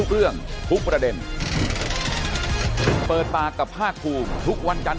ขอบคุณครับสวัสดีครับขอบคุณครับ